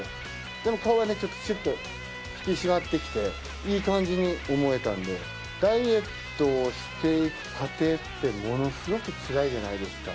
でも、顔がしゅっと引き締まってきて、いい感じに思えたんで、ダイエットをしていく過程って、ものすごくつらいじゃないですか。